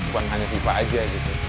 bukan hanya fifa saja